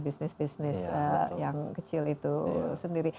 bisnis bisnis yang kecil itu sendiri